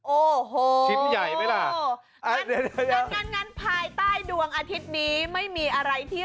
โอ้โหชิ้นใหญ่ไหมล่ะอ่ะเดี๋ยวอย่างงั้นภายใต้ดวงอาทิตย์นี้ไม่มีอะไรที่